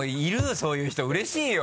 そういう人うれしいよ。